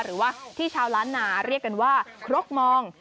หรือว่าที่ชาวล้านนาเรียกกันว่าครกมอง